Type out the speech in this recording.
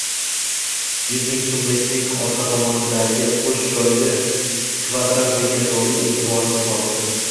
Yuz ming soʻmlikning orqa tomonidagi “Qoʻsh yoyli kvadrant” degan yozuv eʼtiborimni tortdi.